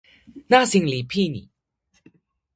nasin li pini.